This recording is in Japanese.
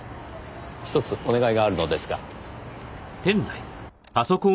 ひとつお願いがあるのですが。